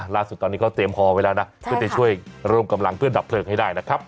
ล่าสุดตอนนี้เขาเตรียมฮอไว้แล้วนะเพื่อจะช่วยร่วมกำลังเพื่อดับเพลิงให้ได้นะครับ